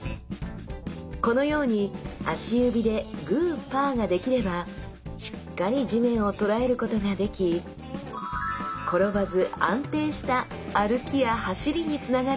このように足指で「グー・パー」ができればしっかり地面を捉えることができ転ばず安定した歩きや走りにつながると期待されます